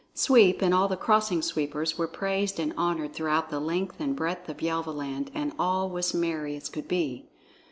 Sweep and all the Crossing Sweepers were praised and honored throughout the length and breadth of Yelvaland, and all was merry as could be.